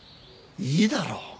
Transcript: いいだろ。